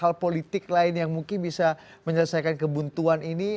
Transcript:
hal politik lain yang mungkin bisa menyelesaikan kebuntuan ini